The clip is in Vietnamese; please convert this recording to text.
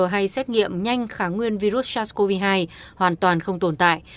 hay xét nghiệm nhanh kháng nguyên virus sars cov hai hoàn toàn không tồn tại